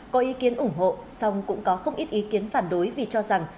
có ý kiến ủng hộ song cũng có không ít ý kiến phản đối vì cho rằng